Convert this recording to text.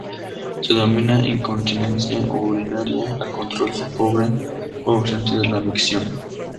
Se denomina incontinencia urinaria al control pobre o ausente de la micción.